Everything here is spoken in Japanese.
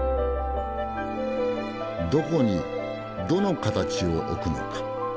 どこにどの形を置くのか？